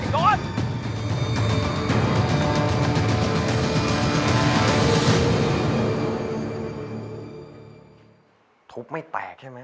เธอใช้ไม้แปลกฟังเนี่ย